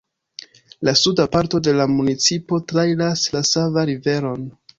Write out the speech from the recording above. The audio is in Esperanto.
La suda parto de la municipo trairas la Sava Riveron.